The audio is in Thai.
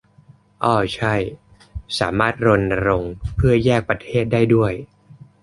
อ้อใช่ สามารถรณรงค์เพื่อแยกประเทศได้ด้วย